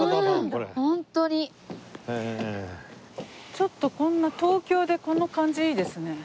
ちょっとこんな東京でこの感じいいですね。